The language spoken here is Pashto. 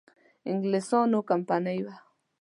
انګلیسیانو کمپنی وه.